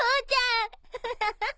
アハハハ。